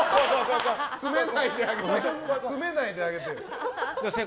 詰めないであげて。